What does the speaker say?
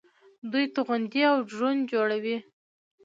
دوی توغندي او ډرون جوړوي.